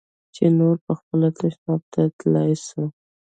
چې نور پخپله تشناب ته تلاى سوم.